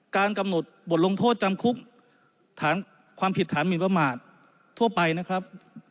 กำหนดบทลงโทษจำคุกฐานความผิดฐานหมินประมาททั่วไปนะครับ